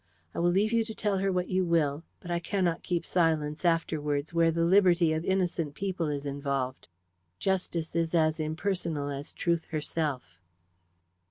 I will leave you to tell her what you will, but I cannot keep silence afterwards where the liberty of innocent people is involved. Justice is as impersonal as Truth herself."